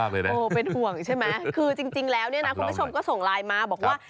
คือจริงแล้วคุณผู้ชมก็ส่งไลน์มาบอกว่า